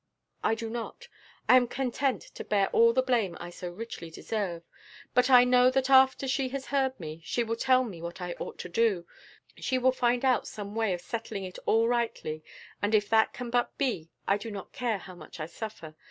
"I do not; I am content to bear all the blame I so richly deserve, but I know that after she has heard me, she will tell me what I ought to do, she will find out some way of settling it all rightly, and if that can but be, I do not care how much I suffer.